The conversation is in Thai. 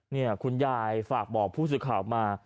นี่คุณยายฝากบอกผู้สื่อข่าวมา